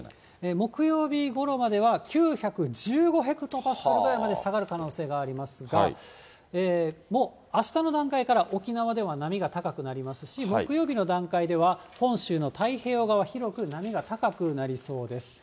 木曜日ごろまでは、９１５ヘクトパスカルぐらいまで下がる可能性がありますが、もうあしたの段階から、沖縄では波が高くなりますし、木曜日の段階では、本州の太平洋側、広く波が高くなりそうです。